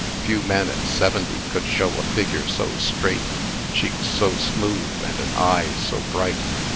Few men at seventy could show a figure so straight, cheeks so smooth, and an eye so bright.